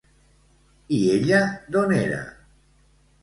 I ella, d'on era?